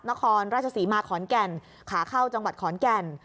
นครราชศรีมาขอนแก่นขาเข้าจังหวัดขอนแก่น